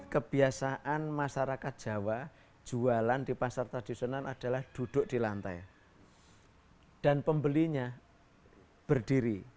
kebiasaan masyarakat jawa jualan di pasar tradisional adalah duduk di lantai dan pembelinya berdiri